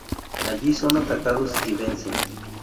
Allí son atacados y vencen.